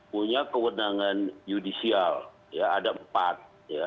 punya kewenangan yudisial ada empat